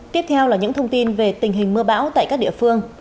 tiếp theo là những thông tin về tình hình mưa bão tại các địa phương